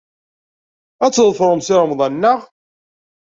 Ad tḍefremt Si Remḍan, naɣ?